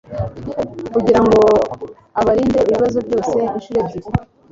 Kugira ngo ubarinde ibibazo byose Inshuro ebyiri